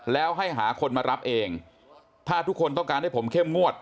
แล้วให้หาคนมารับเองถ้าทุกคนต้องการให้ผมเข้มงวด